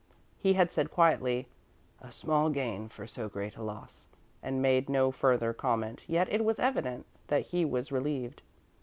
He had said, quietly: "A small gain for so great a loss," and made no further comment, yet it was evident that he was relieved.